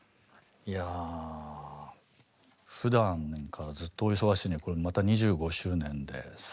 いやあふだんからずっとお忙しいのにこれまた２５周年で更に今。